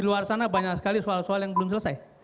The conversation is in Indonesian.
di luar sana banyak sekali soal soal yang belum selesai